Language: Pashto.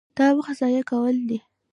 دا وخت ضایع کول دي.